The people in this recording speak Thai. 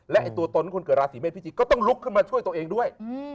และตัวตนคนเกิดราศีเมษพิธีก็ต้องลุกขึ้นมาช่วยตัวเองด้วย